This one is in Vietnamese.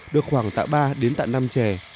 được khoảng tạ ba năm trè